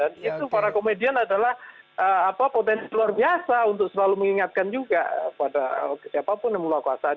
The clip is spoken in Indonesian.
dan itu para komedian adalah potensi luar biasa untuk selalu mengingatkan juga pada siapapun yang meluahkuasa di negeri